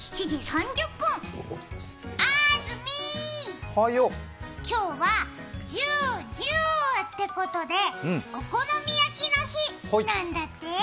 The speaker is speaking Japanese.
あずみー、今日はじゅーじゅーってことでお好み焼きの日なんだって。